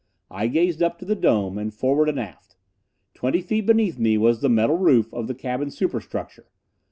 I gazed up to the dome, and forward and aft. Twenty feet beneath me was the metal roof of the cabin superstructure.